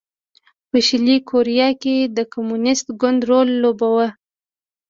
په شلي کوریا کې د کمونېست ګوند رول لوباوه.